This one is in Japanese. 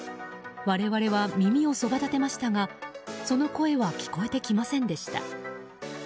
我々は耳をそばだてましたがその声は聞こえてきませんでした。